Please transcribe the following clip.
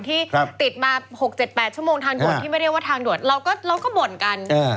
ที่ติดมา๖๗๘ชั่วโมงทางด่วนที่ไม่ได้เรียกว่าทางด่วนเราก็บ่นกัน